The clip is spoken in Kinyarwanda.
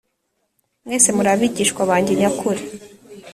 Mwese muri abigishwa banjye nyakuri